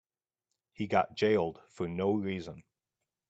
He got jailed for no reason.